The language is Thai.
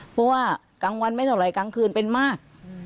เพราะว่ากลางวันไม่เท่าไหร่กลางคืนเป็นมาก